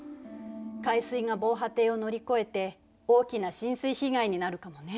海水が防波堤を乗り越えて大きな浸水被害になるかもね。